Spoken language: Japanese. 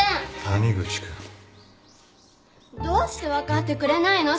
谷口君。どうして分かってくれないの？